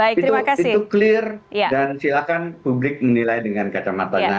itu clear dan silakan publik menilai dengan kacamata nya